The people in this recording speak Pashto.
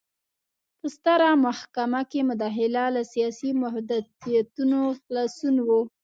په ستره محکمه کې مداخله له سیاسي محدودیتونو خلاصون و.